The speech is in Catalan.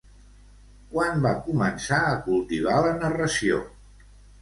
Quan va començar a cultivar la narració?